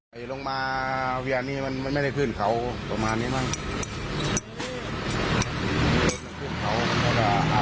มันก็ไปงานขึ้นไปข้างบนเขาอย่างนั้น